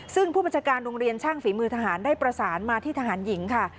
ซึ่งผู้บัญชาการโรงเรียนช่างฝีมือทหารได้ประสานมาที่ทหารหญิงค่ะ